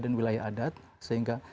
dengan wilayah adat sehingga